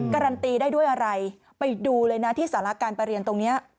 การันตีได้ด้วยอะไรไปดูเลยนะที่สาระการประเรียนตรงนี้